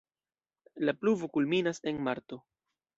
La pluvo kulminas en marto.